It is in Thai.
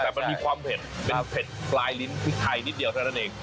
แต่มันมีความเผ็ดเป็นเผ็ดปลายลิ้นพริกไทยนิดเดียวเท่านั้นเอง